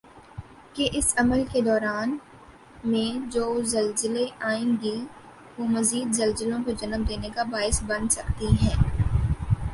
کہ اس عمل کی دوران میں جو زلزلی آئیں گی وہ مزید زلزلوں کو جنم دینی کا باعث بن سکتی ہیں